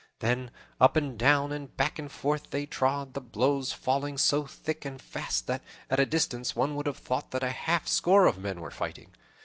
Then up and down and back and forth they trod, the blows falling so thick and fast that, at a distance, one would have thought that half a score of men were fighting.